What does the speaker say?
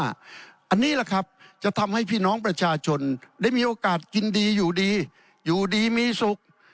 อันนี้แหละครับจะทำให้พี่น้องประชาชนได้มีโอกาสกินดีอยู่ดีอยู่ดีมีสุข